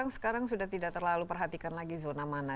sekarang sudah tidak terlalu perhatikan lagi zona mana